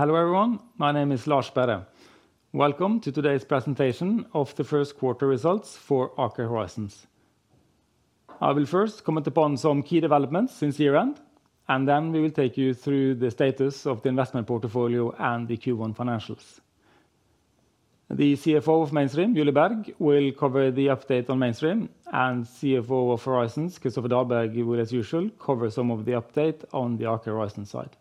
Hello everyone, my name is Lars Sperre. Welcome to today's presentation of the first quarter results for Aker Horizons. I will first comment upon some key developments since year-end, and then we will take you through the status of the investment portfolio and the Q1 financials. The CFO of Mainstream, Julie Berg, will cover the update on Mainstream, and CFO of Horizons, Christopher Dahlberg, will, as usual, cover some of the update on the Aker Horizons side.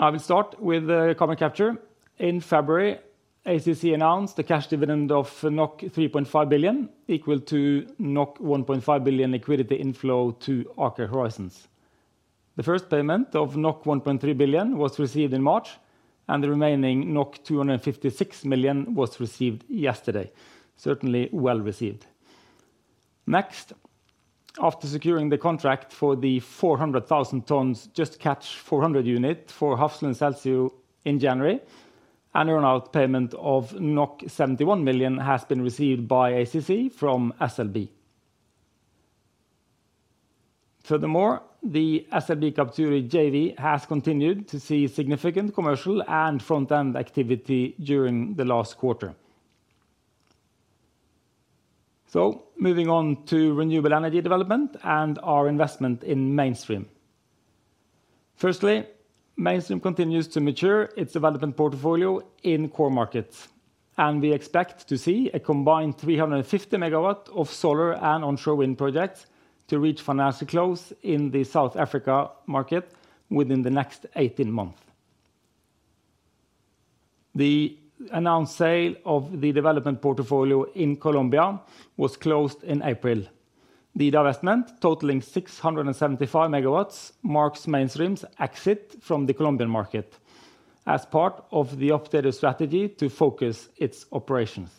I will start with the common capture. In February, ACC announced a cash dividend of 3.5 billion, equal to 1.5 billion liquidity inflow to Aker Horizons. The first payment of 1.3 billion was received in March, and the remaining 256 million was received yesterday. Certainly well received. Next, after securing the contract for the 400,000 tonnes Just Catch 400 unit for Hafslund Celcio in January, an earn-out payment of 71 million has been received by ACC from SLB. Furthermore, the SLB Capturi JV has continued to see significant commercial and front-end activity during the last quarter. Moving on to renewable energy development and our investment in Mainstream. Firstly, Mainstream continues to mature its development portfolio in core markets, and we expect to see a combined 350 MW of solar and onshore wind projects to reach financial close in the South Africa market within the next 18 months. The announced sale of the development portfolio in Colombia was closed in April. The divestment totaling 675 MW marks Mainstream's exit from the Colombian market as part of the updated strategy to focus its operations.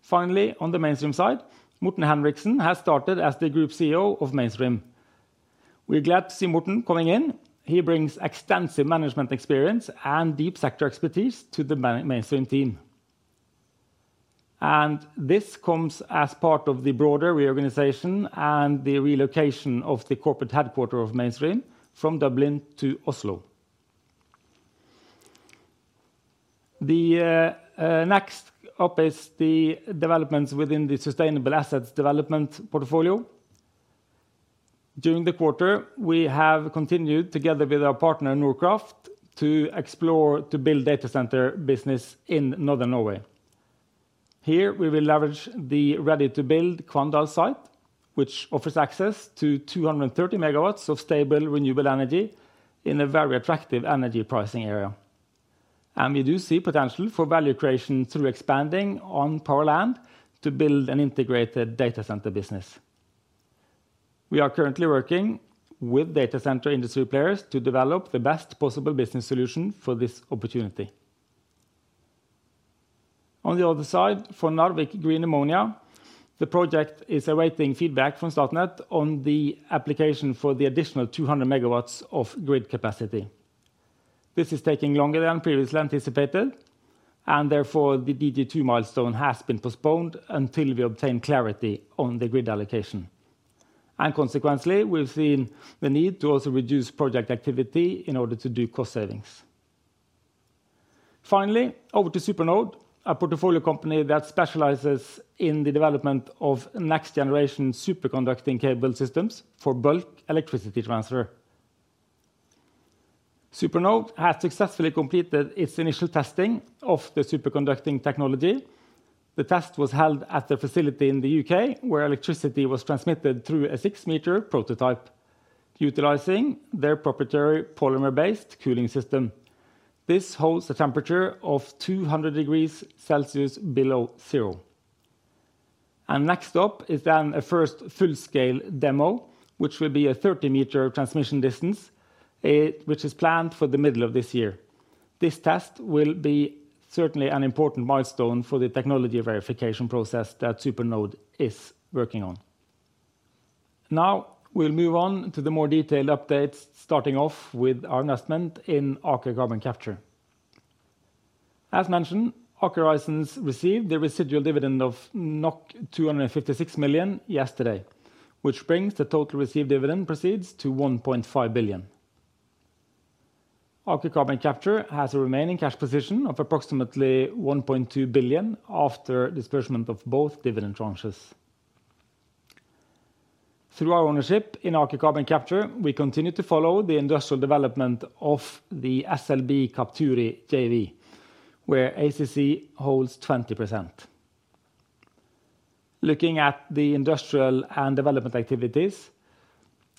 Finally, on the Mainstream side, Morten Henriksen has started as the Group CEO of Mainstream. We're glad to see Morten coming in. He brings extensive management experience and deep sector expertise to the Mainstream team. This comes as part of the broader reorganization and the relocation of the corporate headquarters of Mainstream from Dublin to Oslo. Next up is the developments within the sustainable assets development portfolio. During the quarter, we have continued, together with our partner Nordkraft, to explore to build data center business in northern Norway. Here, we will leverage the ready-to-build Qvandal site, which offers access to 230 MW of stable renewable energy in a very attractive energy pricing area. We do see potential for value creation through expanding on Powered Land to build an integrated data center business. We are currently working with data center industry players to develop the best possible business solution for this opportunity. On the other side, for Narvik Green Ammonia, the project is awaiting feedback from Statnett on the application for the additional 200 MW of grid capacity. This is taking longer than previously anticipated, and therefore the DG2 milestone has been postponed until we obtain clarity on the grid allocation. Consequently, we've seen the need to also reduce project activity in order to do cost savings. Finally, over to SuperNode, a portfolio company that specializes in the development of next-generation superconducting cable systems for bulk electricity transfer. SuperNode has successfully completed its initial testing of the superconducting technology. The test was held at a facility in the U.K. where electricity was transmitted through a six-meter prototype, utilizing their proprietary polymer-based cooling system. This holds a temperature of 200 degrees Celsius below zero. Next up is then a first full-scale demo, which will be a 30-meter transmission distance, which is planned for the middle of this year. This test will be certainly an important milestone for the technology verification process that SuperNode is working on. Now we'll move on to the more detailed updates, starting off with our investment in Aker Carbon Capture. As mentioned, Aker Horizons received the residual dividend of 256 million yesterday, which brings the total received dividend proceeds to 1.5 billion. Aker Carbon Capture has a remaining cash position of approximately 1.2 billion after disbursement of both dividend tranches. Through our ownership in Aker Carbon Capture, we continue to follow the industrial development of the SLB Capturi JV, where ACC holds 20%. Looking at the industrial and development activities,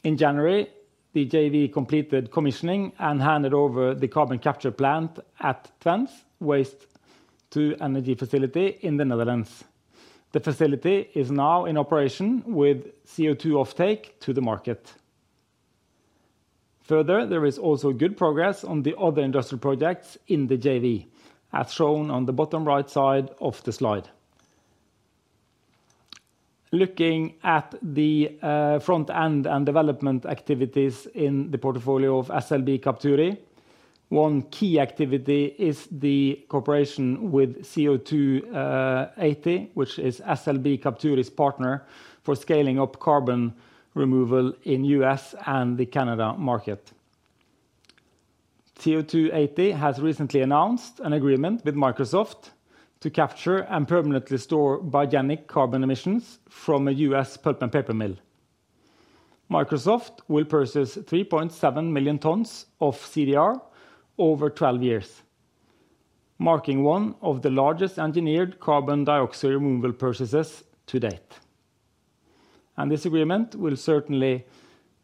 in January, the JV completed commissioning and handed over the carbon capture plant at Twence Waste-to-Energy facility in the Netherlands. The facility is now in operation with CO2 offtake to the market. Further, there is also good progress on the other industrial projects in the JV, as shown on the bottom right side of the slide. Looking at the front-end and development activities in the portfolio of SLB Capturi, one key activity is the cooperation with CO280, which is SLB Capturi's partner for scaling up carbon removal in the U.S. and the Canada market. CO280 has recently announced an agreement with Microsoft to capture and permanently store biogenic carbon emissions from a U.S. pulp and paper mill. Microsoft will purchase 3.7 million tons of CDR over 12 years, marking one of the largest engineered carbon dioxide removal processes to date. This agreement will certainly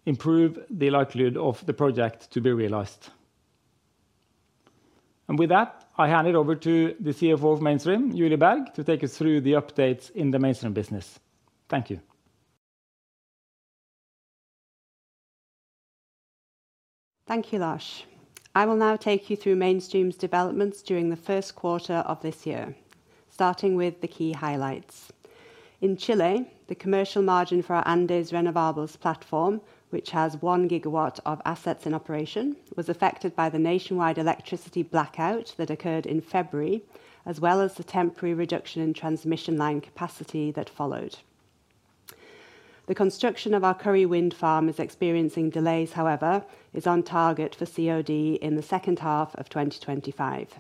improve the likelihood of the project to be realized. With that, I hand it over to the CFO of Mainstream, Julie Berg, to take us through the updates in the Mainstream business. Thank you. Thank you, Lars. I will now take you through Mainstream's developments during the first quarter of this year, starting with the key highlights. In Chile, the commercial margin for Andes Renovables platform, which has one GW of assets in operation, was affected by the nationwide electricity blackout that occurred in February, as well as the temporary reduction in transmission line capacity that followed. The construction of our Curry wind farm is experiencing delays, however, is on target for COD in the second half of 2025.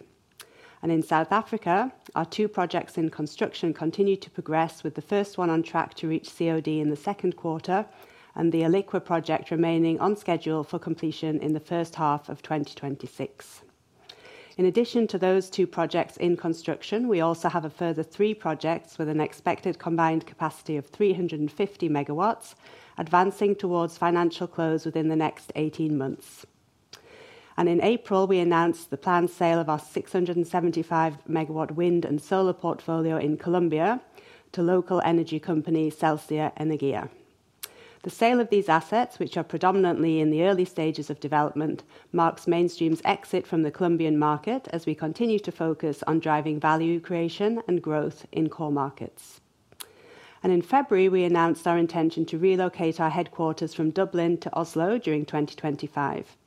In South Africa, our two projects in construction continue to progress, with the first one on track to reach COD in the second quarter and the Eliqua project remaining on schedule for completion in the first half of 2026. In addition to those two projects in construction, we also have a further three projects with an expected combined capacity of 350 MW, advancing towards financial close within the next 18 months. In April, we announced the planned sale of our 675 MW wind and solar portfolio in Colombia to local energy company Celcia Energía. The sale of these assets, which are predominantly in the early stages of development, marks Mainstream's exit from the Colombian market as we continue to focus on driving value creation and growth in core markets. In February, we announced our intention to relocate our headquarters from Dublin to Oslo during 2025.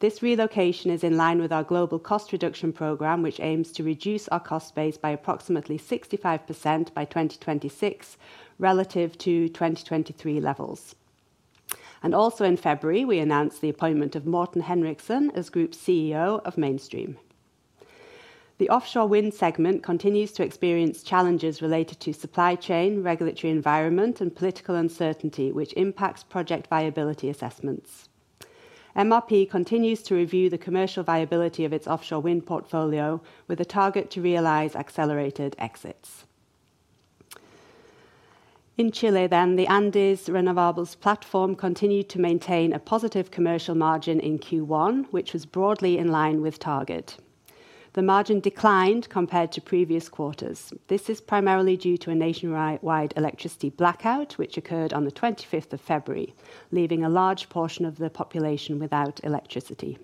This relocation is in line with our global cost reduction program, which aims to reduce our cost base by approximately 65% by 2026, relative to 2023 levels. Also in February, we announced the appointment of Morten Henriksen as Group CEO of Mainstream. The offshore wind segment continues to experience challenges related to supply chain, regulatory environment, and political uncertainty, which impacts project viability assessments. MRP continues to review the commercial viability of its offshore wind portfolio with a target to realize accelerated exits. In Chile, the Andes Renovables platform continued to maintain a positive commercial margin in Q1, which was broadly in line with target. The margin declined compared to previous quarters. This is primarily due to a nationwide electricity blackout, which occurred on the 25th of February, leaving a large portion of the population without electricity.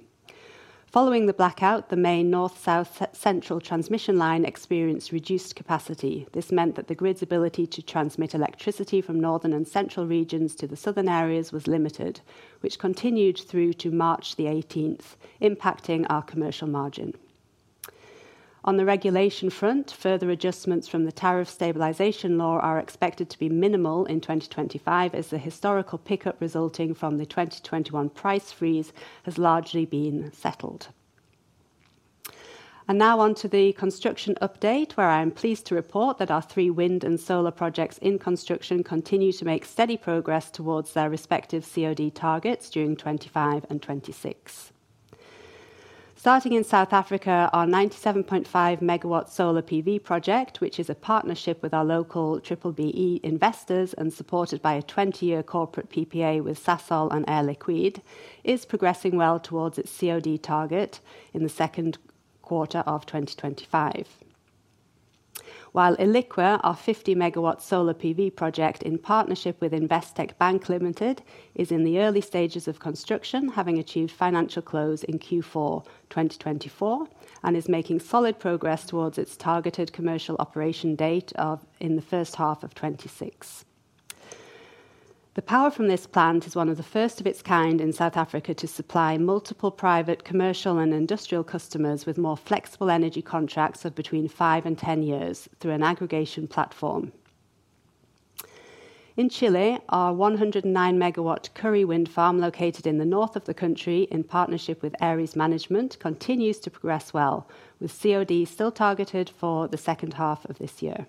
Following the blackout, the main north-south-central transmission line experienced reduced capacity. This meant that the grid's ability to transmit electricity from northern and central regions to the southern areas was limited, which continued through to March the 18th, impacting our commercial margin. On the regulation front, further adjustments from the tariff stabilization law are expected to be minimal in 2025, as the historical pickup resulting from the 2021 price freeze has largely been settled. Now on to the construction update, where I am pleased to report that our three wind and solar projects in construction continue to make steady progress towards their respective COD targets during 2025 and 2026. Starting in South Africa, our 97.5 MW solar PV project, which is a partnership with our local B-BBEE investors and supported by a 20-year corporate PPA with SASOL and Air Liquide, is progressing well towards its COD target in the second quarter of 2025. While Eliqua, our 50 MW solar PV project in partnership with Investec Bank Limited, is in the early stages of construction, having achieved financial close in Q4 2024 and is making solid progress towards its targeted commercial operation date in the first half of 2026. The power from this plant is one of the first of its kind in South Africa to supply multiple private commercial and industrial customers with more flexible energy contracts of between five and ten years through an aggregation platform. In Chile, our 109 MW Curry wind farm, located in the north of the country in partnership with ARES Management, continues to progress well, with COD still targeted for the second half of this year.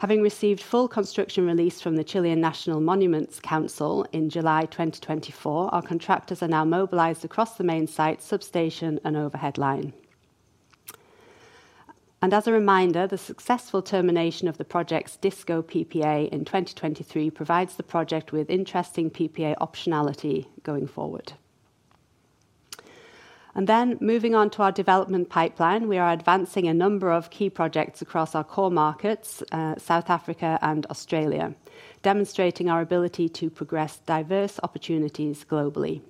Having received full construction release from the Chilean National Monuments Council in July 2024, our contractors are now mobilized across the main site, substation, and overhead line. As a reminder, the successful termination of the project's DisCo PPA in 2023 provides the project with interesting PPA optionality going forward. Moving on to our development pipeline, we are advancing a number of key projects across our core markets, South Africa and Australia, demonstrating our ability to progress diverse opportunities globally.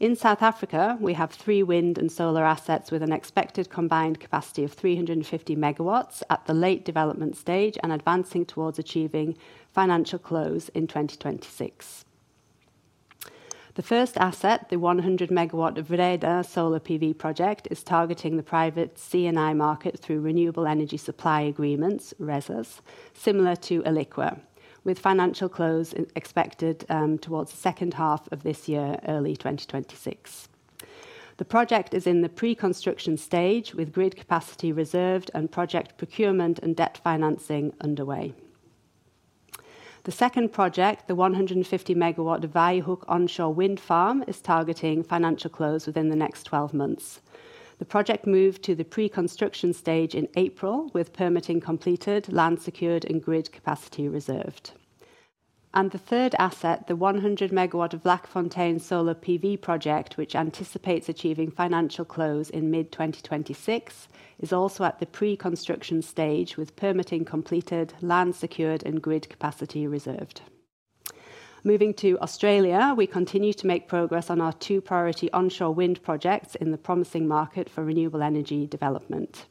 In South Africa, we have three wind and solar assets with an expected combined capacity of 350 MW at the late development stage and advancing towards achieving financial close in 2026. The first asset, the 100 MW Vreda Solar PV Project, is targeting the private C&I market through renewable energy supply agreements, RESAs, similar to Eliqua, with financial close expected towards the second half of this year, early 2026. The project is in the pre-construction stage, with grid capacity reserved and project procurement and debt financing underway. The second project, the 150 MW Vaihook onshore wind farm, is targeting financial close within the next 12 months. The project moved to the pre-construction stage in April, with permitting completed, land secured, and grid capacity reserved. The third asset, the 100 MW Black Fontaine solar PV project, which anticipates achieving financial close in mid-2026, is also at the pre-construction stage, with permitting completed, land secured, and grid capacity reserved. Moving to Australia, we continue to make progress on our two priority onshore wind projects in the promising market for renewable energy development,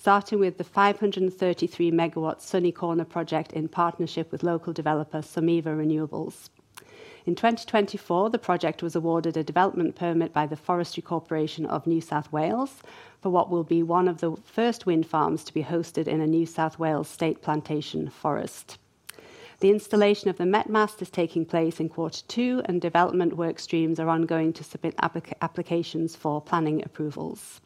starting with the 533 MW Sunny Corner project in partnership with local developer Someeva Renewables. In 2024, the project was awarded a development permit by the Forestry Corporation of New South Wales for what will be one of the first wind farms to be hosted in a New South Wales state plantation forest. The installation of the MetMast is taking place in quarter two, and development work streams are ongoing to submit applications for planning approvals.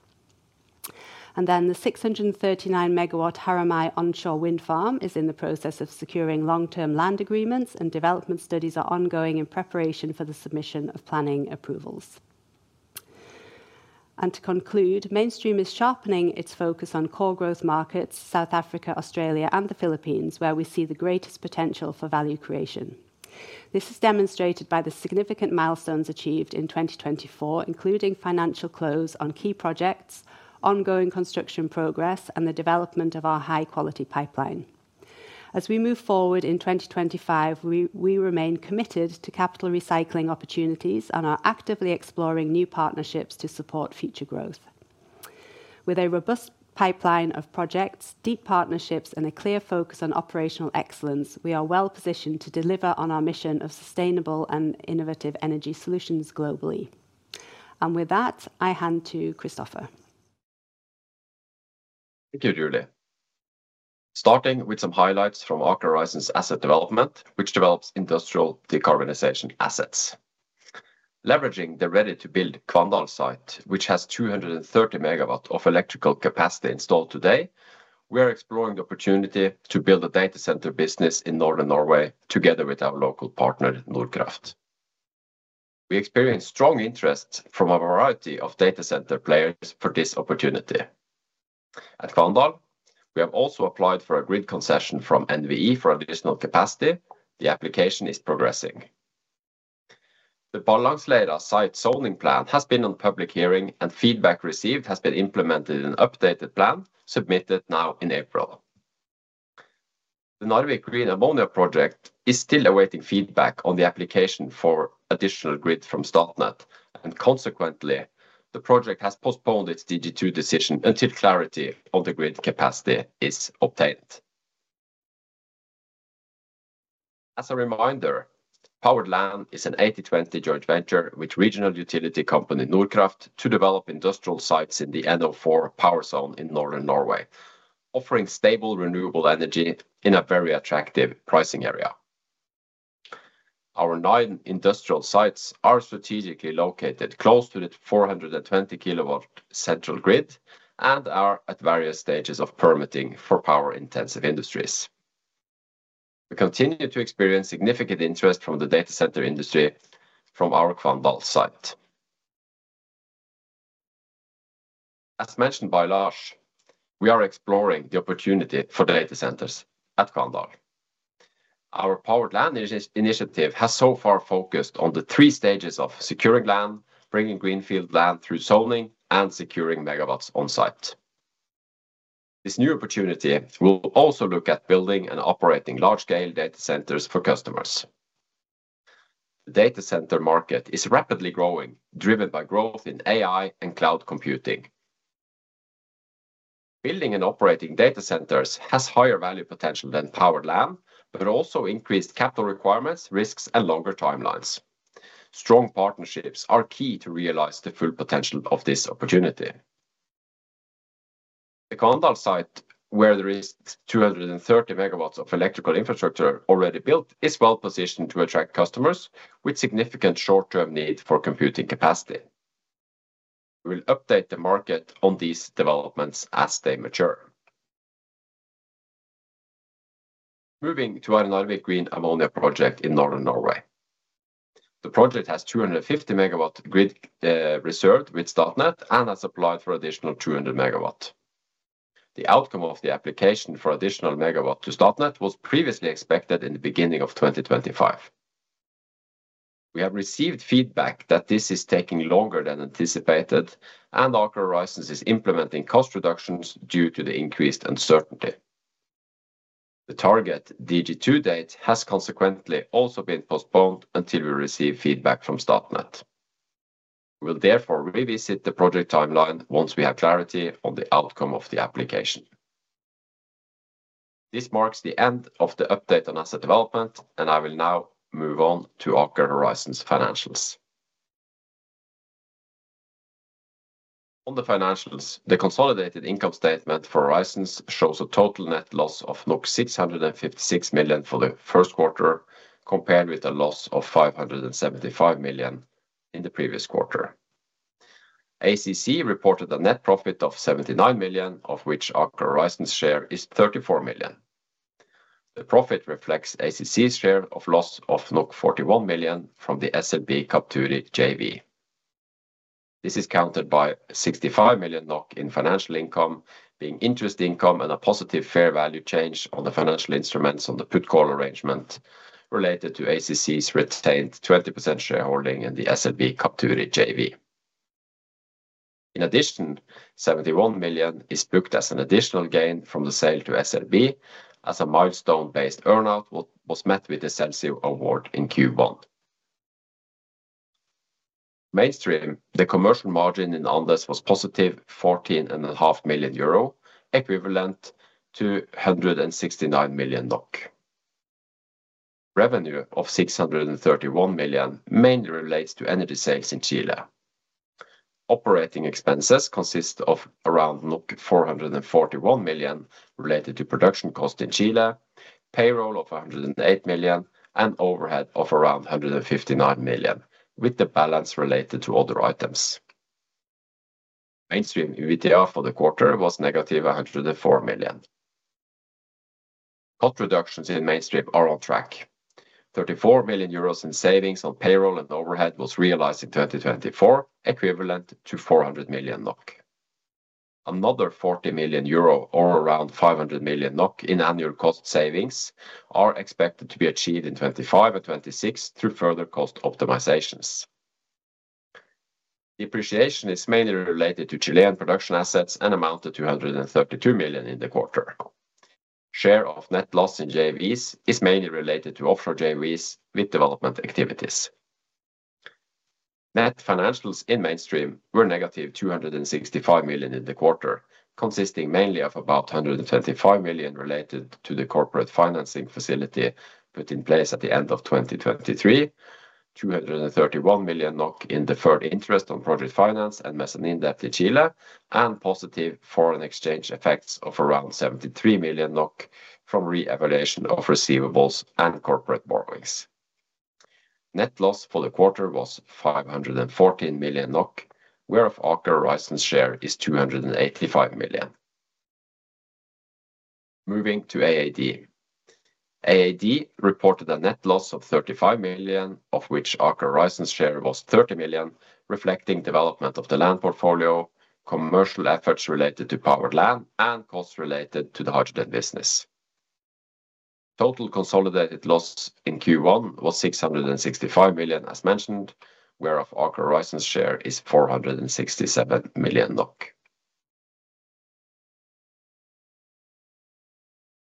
The 639 MW Haramai onshore wind farm is in the process of securing long-term land agreements, and development studies are ongoing in preparation for the submission of planning approvals. To conclude, Mainstream is sharpening its focus on core growth markets, South Africa, Australia, and the Philippines, where we see the greatest potential for value creation. This is demonstrated by the significant milestones achieved in 2024, including financial close on key projects, ongoing construction progress, and the development of our high-quality pipeline. As we move forward in 2025, we remain committed to capital recycling opportunities and are actively exploring new partnerships to support future growth. With a robust pipeline of projects, deep partnerships, and a clear focus on operational excellence, we are well positioned to deliver on our mission of sustainable and innovative energy solutions globally. I hand to Christopher. Thank you, Julie. Starting with some highlights from Aker Horizons' asset development, which develops industrial decarbonization assets. Leveraging the ready-to-build Kvandal site, which has 230 MW of electrical capacity installed today, we are exploring the opportunity to build a data center business in northern Norway together with our local partner, Nordkraft. We experience strong interest from a variety of data center players for this opportunity. At Kvandal, we have also applied for a grid concession from NVE for additional capacity. The application is progressing. The Ballangslida site zoning plan has been on public hearing, and feedback received has been implemented in an updated plan submitted now in April. The Narvik Green Ammonia project is still awaiting feedback on the application for additional grid from Statnett, and consequently, the project has postponed its DG2 decision until clarity on the grid capacity is obtained. As a reminder, Powered Land is an 80/20 joint venture with regional utility company Nordkraft to develop industrial sites in the NO4 power zone in northern Norway, offering stable renewable energy in a very attractive pricing area. Our nine industrial sites are strategically located close to the 420 kW central grid and are at various stages of permitting for power-intensive industries. We continue to experience significant interest from the data center industry from our Kvandal site. As mentioned by Lars, we are exploring the opportunity for data centers at Kvandal. Our Powered Land initiative has so far focused on the three stages of securing land, bringing greenfield land through zoning, and securing MW on site. This new opportunity will also look at building and operating large-scale data centers for customers. The data center market is rapidly growing, driven by growth in AI and cloud computing. Building and operating data centers has higher value potential than Powered Land, but also increased capital requirements, risks, and longer timelines. Strong partnerships are key to realize the full potential of this opportunity. The Kvandal site, where there is 230 MW of electrical infrastructure already built, is well positioned to attract customers with significant short-term need for computing capacity. We will update the market on these developments as they mature. Moving to our Narvik Green Ammonia project in northern Norway. The project has 250 MW grid reserved with Statnett and has applied for additional 200 MW. The outcome of the application for additional MW to Statnett was previously expected in the beginning of 2025. We have received feedback that this is taking longer than anticipated, and Aker Horizons is implementing cost reductions due to the increased uncertainty. The target DG2 date has consequently also been postponed until we receive feedback from Statnett. We will therefore revisit the project timeline once we have clarity on the outcome of the application. This marks the end of the update on asset development, and I will now move on to Aker Horizons' financials. On the financials, the consolidated income statement for Horizons shows a total net loss of 656 million for the first quarter, compared with a loss of 575 million in the previous quarter. ACC reported a net profit of 79 million, of which Aker Horizons' share is 34 million. The profit reflects ACC's share of loss of 41 million from the SLB Capturi JV. This is counted by 65 million NOK in financial income, being interest income and a positive fair value change on the financial instruments on the put-call arrangement related to ACC's retained 20% shareholding in the SLB Capturi JV. In addition, 71 million is booked as an additional gain from the sale to SLB, as a milestone-based earnout was met with the SELSIO award in Q1. Mainstream, the commercial margin in Andes was 14.5 million euro, equivalent to 169 million NOK. Revenue of 631 million mainly relates to energy sales in Chile. Operating expenses consist of around 441 million related to production cost in Chile, payroll of 108 million, and overhead of around 159 million, with the balance related to other items. Mainstream EVTR for the quarter was negative 104 million. Cost reductions in Mainstream are on track. 34 million euros in savings on payroll and overhead was realized in 2024, equivalent to 400 million NOK. Another 40 million euro, or around 500 million NOK in annual cost savings, are expected to be achieved in 2025 and 2026 through further cost optimizations. Depreciation is mainly related to Chilean production assets and amounted to 232 million in the quarter. Share of net loss in JVs is mainly related to offshore JVs with development activities. Net financials in Mainstream were negative 265 million in the quarter, consisting mainly of about 125 million related to the corporate financing facility put in place at the end of 2023, 231 million NOK in deferred interest on project finance and mezzanine debt in Chile, and positive foreign exchange effects of around 73 million NOK from re-evaluation of receivables and corporate borrowings. Net loss for the quarter was 514 million NOK, where Aker Horizons' share is 285 million. Moving to AAD. AAD reported a net loss of 35 million, of which Aker Horizons' share was 30 million, reflecting development of the land portfolio, commercial efforts related to Powered Land, and costs related to the hydrogen business. Total consolidated loss in Q1 was 665 million, as mentioned, where Aker Horizons' share is 467 million NOK.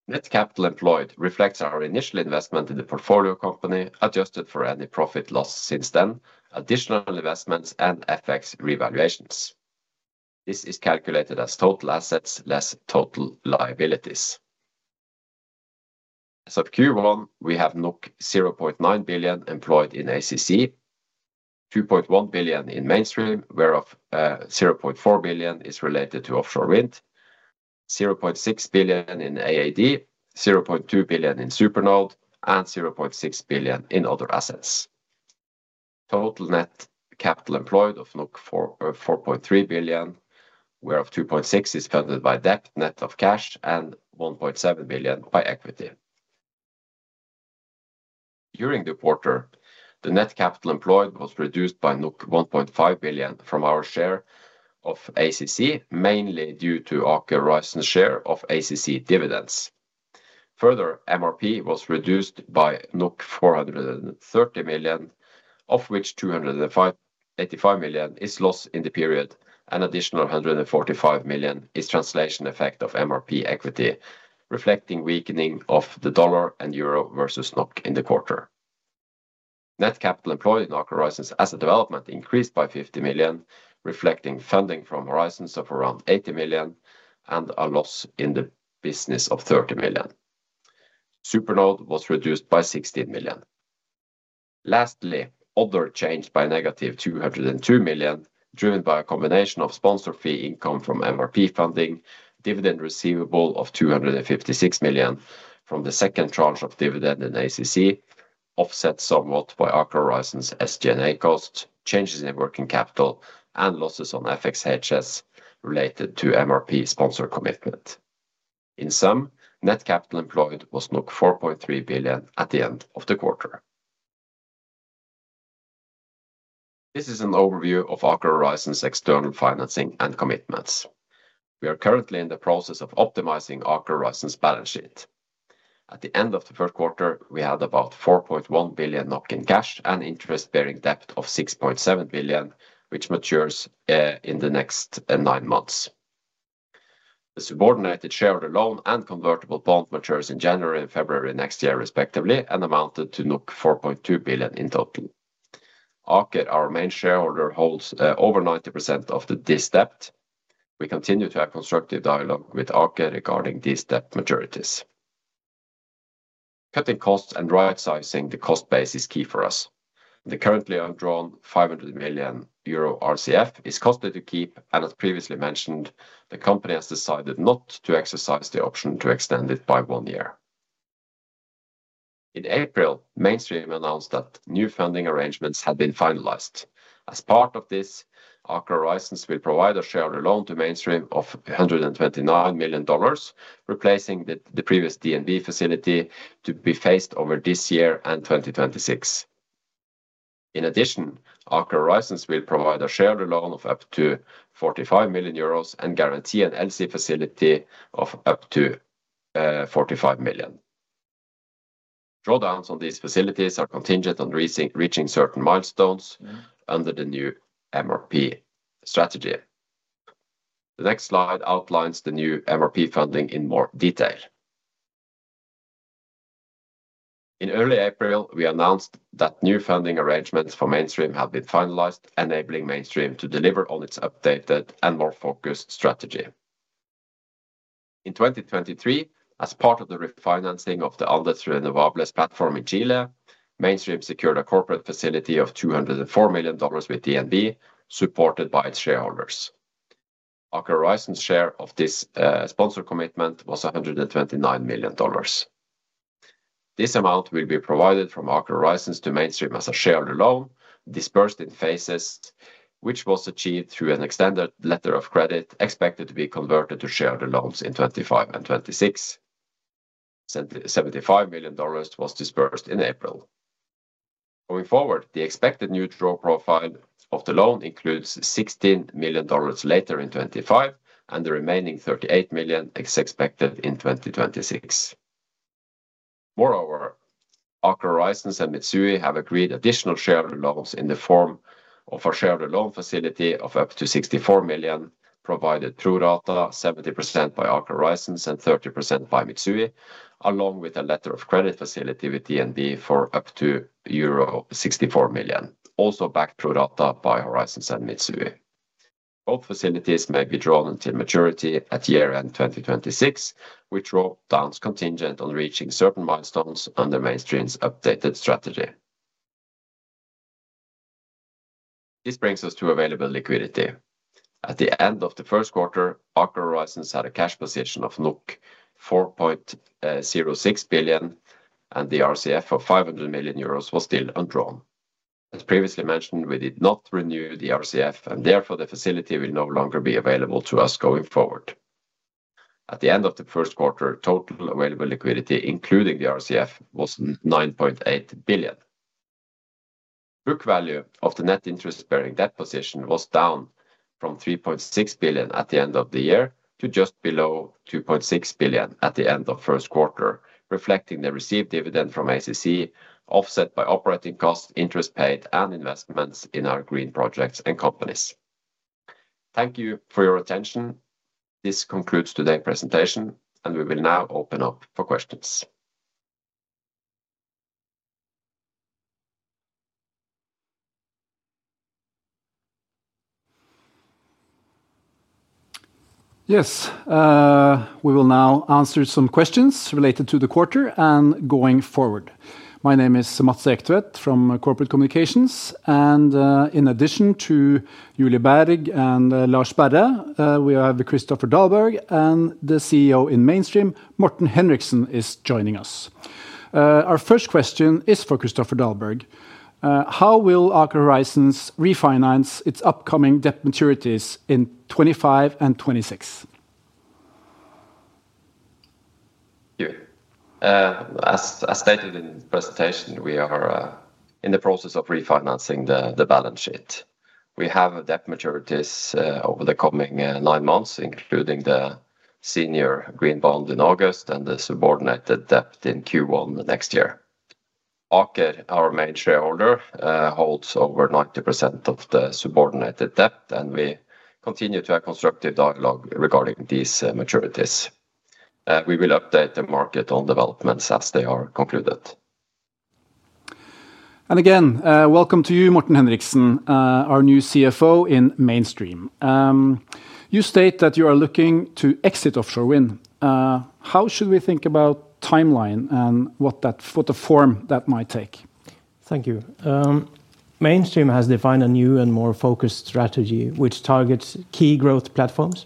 Net capital employed reflects our initial investment in the portfolio company, adjusted for any profit loss since then, additional investments, and FX revaluations. This is calculated as total assets less total liabilities. As of Q1, we have 0.9 billion employed in ACC, 2.1 billion in Mainstream, where 0.4 billion is related to offshore wind, 0.6 billion in AAD, 0.2 billion in SuperNode, and 0.6 billion in other assets. Total net capital employed of 4.3 billion, where 2.6 is funded by debt net of cash and 1.7 billion by equity. During the quarter, the net capital employed was reduced by 1.5 billion from our share of ACC, mainly due to Aker Horizons' share of ACC dividends. Further, MRP was reduced by 430 million, of which 285 million is loss in the period, and additional 145 million is translation effect of MRP equity, reflecting weakening of the dollar and euro versus NOK in the quarter. Net capital employed in Aker Horizons' asset development increased by 50 million, reflecting funding from Horizons of around 80 million and a loss in the business of 30 million. SuperNode was reduced by 16 million. Lastly, other change by negative 202 million, driven by a combination of sponsor fee income from MRP funding, dividend receivable of 256 million from the second tranche of dividend in ACC, offset somewhat by Aker Horizons' SG&A costs, changes in working capital, and losses on FXHS related to MRP sponsor commitment. In sum, net capital employed was 4.3 billion at the end of the quarter. This is an overview of Aker Horizons' external financing and commitments. We are currently in the process of optimizing Aker Horizons' balance sheet. At the end of the first quarter, we had about 4.1 billion NOK in cash and interest-bearing debt of 6.7 billion, which matures in the next nine months. The subordinated shareholder loan and convertible bond matures in January and February next year, respectively, and amounted to 4.2 billion in total. Aker, our main shareholder, holds over 90% of the DSV debt. We continue to have constructive dialogue with Aker regarding DSV debt maturities. Cutting costs and rightsizing the cost base is key for us. The currently undrawn 500 million euro RCF is costly to keep, and as previously mentioned, the company has decided not to exercise the option to extend it by one year. In April, Mainstream announced that new funding arrangements had been finalized. As part of this, Aker Horizons will provide a shareholder loan to Mainstream of $129 million, replacing the previous DSV facility to be phased over this year and 2026. In addition, Aker Horizons will provide a shareholder loan of up to 45 million euros and guarantee an LC facility of up to 45 million. Drawdowns on these facilities are contingent on reaching certain milestones under the new MRP strategy. The next slide outlines the new MRP funding in more detail. In early April, we announced that new funding arrangements for Mainstream have been finalized, enabling Mainstream to deliver on its updated and more focused strategy. In 2023, as part of the refinancing of the Andes Renovables platform in Chile, Mainstream secured a corporate facility of $204 million with D&V, supported by its shareholders. Aker Horizons' share of this sponsor commitment was $129 million. This amount will be provided from Aker Horizons to Mainstream as a shareholder loan, dispersed in phases, which was achieved through an extended letter of credit expected to be converted to shareholder loans in 2025 and 2026. $75 million was disbursed in April. Going forward, the expected new draw profile of the loan includes $16 million later in 2025 and the remaining $38 million is expected in 2026. Moreover, Aker Horizons and Mitsui have agreed additional shareholder loans in the form of a shareholder loan facility of up to 64 million, provided through data 70% by Aker Horizons and 30% by Mitsui, along with a letter of credit facility with D&V for up to euro 64 million, also backed through data by Horizons and Mitsui. Both facilities may be drawn until maturity at year-end 2026, with drawdowns contingent on reaching certain milestones under Mainstream's updated strategy. This brings us to available liquidity. At the end of the first quarter, Aker Horizons had a cash position of 4.06 billion, and the RCF of 500 million euros was still undrawn. As previously mentioned, we did not renew the RCF, and therefore the facility will no longer be available to us going forward. At the end of the first quarter, total available liquidity, including the RCF, was 9.8 billion. Book value of the net interest-bearing debt position was down from 3.6 billion at the end of the year to just below 2.6 billion at the end of the first quarter, reflecting the received dividend from ACC, offset by operating costs, interest paid, and investments in our green projects and companies. Thank you for your attention. This concludes today's presentation, and we will now open up for questions. Yes, we will now answer some questions related to the quarter and going forward. My name is Mats Ektvedt from Corporate Communications, and in addition to Julie Berg and Lars Sperre, we have Christopher Dahlberg and the CEO in Mainstream, Morten Henriksen, is joining us. Our first question is for Christopher Dahlberg. How will Aker Horizons refinance its upcoming debt maturities in 2025 and 2026? Thank you. As stated in the presentation, we are in the process of refinancing the balance sheet. We have debt maturities over the coming nine months, including the senior green bond in August and the subordinated debt in Q1 next year. Aker, our main shareholder, holds over 90% of the subordinated debt, and we continue to have constructive dialogue regarding these maturities. We will update the market on developments as they are concluded. Again, welcome to you, Morten Henriksen, our new CFO in Mainstream. You state that you are looking to exit offshore wind. How should we think about the timeline and what the form that might take? Thank you. Mainstream has defined a new and more focused strategy, which targets key growth platforms.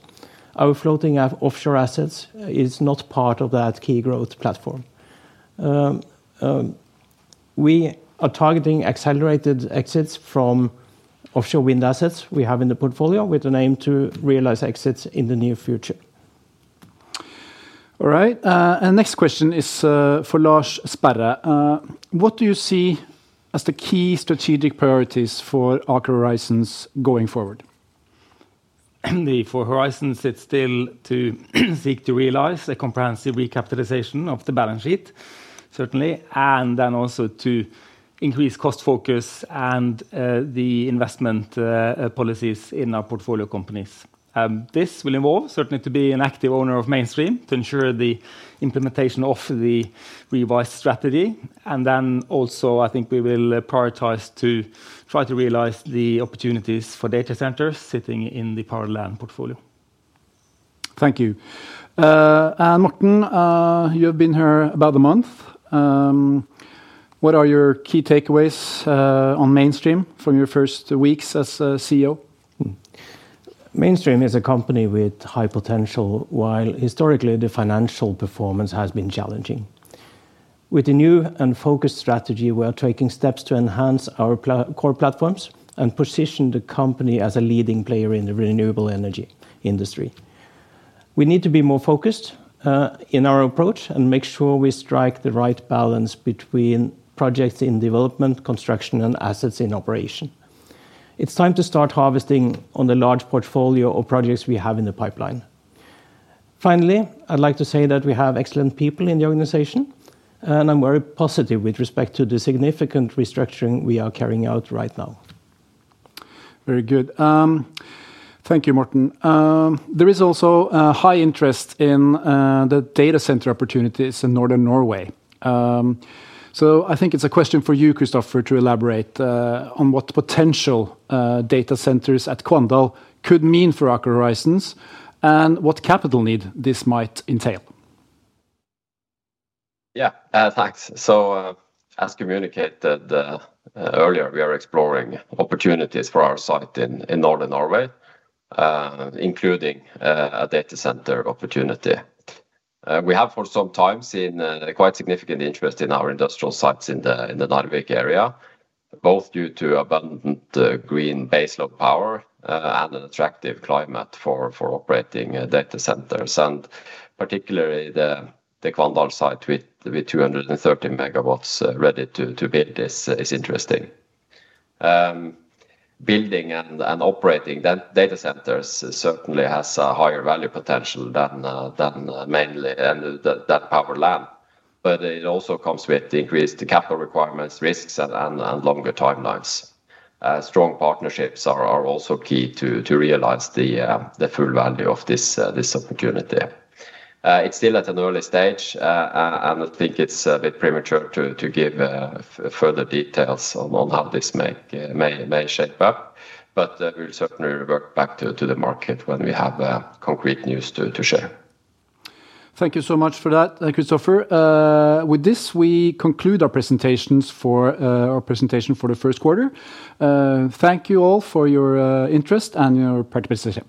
Our floating offshore assets are not part of that key growth platform. We are targeting accelerated exits from offshore wind assets we have in the portfolio, with an aim to realize exits in the near future. All right. The next question is for Lars Sperre. What do you see as the key strategic priorities for Aker Horizons going forward? For Horizons, it is still to seek to realize a comprehensive recapitalization of the balance sheet, certainly, and then also to increase cost focus and the investment policies in our portfolio companies. This will involve certainly to be an active owner of Mainstream to ensure the implementation of the revised strategy. I think we will prioritize to try to realize the opportunities for data centers sitting in the Powered Land portfolio. Thank you. Morten, you have been here about a month. What are your key takeaways on Mainstream from your first weeks as CEO? Mainstream is a company with high potential, while historically the financial performance has been challenging. With the new and focused strategy, we are taking steps to enhance our core platforms and position the company as a leading player in the renewable energy industry. We need to be more focused in our approach and make sure we strike the right balance between projects in development, construction, and assets in operation. It's time to start harvesting on the large portfolio of projects we have in the pipeline. Finally, I'd like to say that we have excellent people in the organization, and I'm very positive with respect to the significant restructuring we are carrying out right now. Very good. Thank you, Morten. There is also a high interest in the data center opportunities in northern Norway. I think it's a question for you, Christopher, to elaborate on what potential data centers at Kvandal could mean for Aker Horizons and what capital need this might entail. Yeah, thanks. As communicated earlier, we are exploring opportunities for our site in northern Norway, including a data center opportunity. We have for some time seen quite significant interest in our industrial sites in the Narvik area, both due to abundant green baseload power and an attractive climate for operating data centers. Particularly the Kvandal site with 230 MW ready to build is interesting. Building and operating data centers certainly has a higher value potential than mainly that Powered Land, but it also comes with increased capital requirements, risks, and longer timelines. Strong partnerships are also key to realize the full value of this opportunity. It is still at an early stage, and I think it is a bit premature to give further details on how this may shape up, but we will certainly work back to the market when we have concrete news to share. Thank you so much for that, Christopher. With this, we conclude our presentations for the first quarter. Thank you all for your interest and your participation.